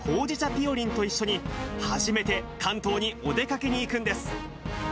ぴよりんと一緒に、初めて関東にお出かけに行くんです。